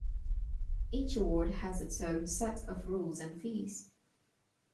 Each award has its own set of rules and fees.